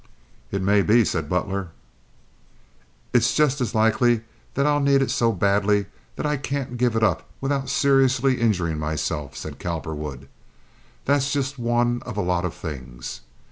"It may be," said Butler. "It's just as likely that I'll need it so badly that I can't give it up without seriously injuring myself," added Cowperwood. "That's just one of a lot of things.